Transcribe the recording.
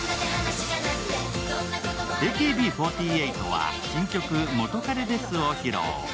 ＡＫＢ４８は新曲「元カレです」を披露。